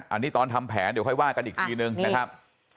อันนี้ตอนทำแผนเดี๋ยวค่อยว่ากันอีกทีนึงนะครับ